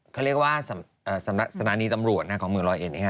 เค้าเรียกว่าสถานีตำรวจฯของเมือง๑๐๑นี้